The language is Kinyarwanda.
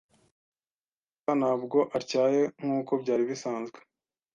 Gusa ntabwo atyaye nkuko byari bisanzwe.